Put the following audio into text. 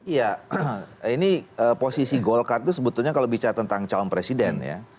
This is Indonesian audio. ya ini posisi golkar itu sebetulnya kalau bicara tentang calon presiden ya